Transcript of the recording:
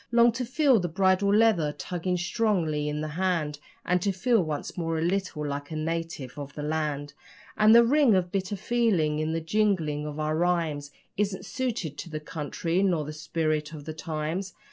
Long to feel the bridle leather tugging strongly in the hand And to feel once more a little like a native of the land. And the ring of bitter feeling in the jingling of our rhymes Isn't suited to the country nor the spirit of the times.